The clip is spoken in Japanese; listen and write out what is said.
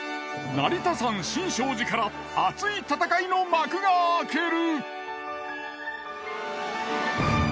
成田山新勝寺から熱い戦いの幕が開ける。